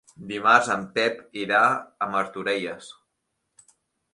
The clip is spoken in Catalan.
Dimarts en Pep irà a Martorelles.